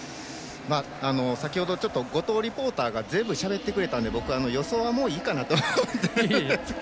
先ほど、ちょっと後藤リポーターが全部しゃべってくれたので僕は予想はもういいかなと。